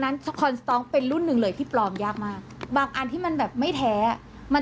นั้นเป็นรุ่นหนึ่งเลยที่ปลอมยากมากอันที่มันแบบไม่แท้มัน